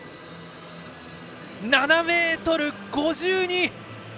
７ｍ５２。